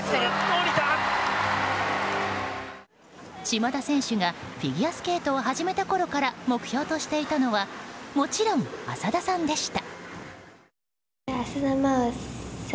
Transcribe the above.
島田選手がフィギュアスケートを始めたころから目標としていたのはもちろん浅田さんでした。